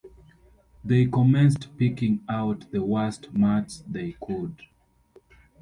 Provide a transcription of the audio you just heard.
They commenced picking out the worst mutts they could.